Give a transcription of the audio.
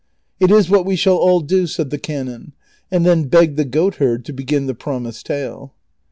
"It is what we shall all do," said the canon ; and then begged the goatherd to begin the promised tale.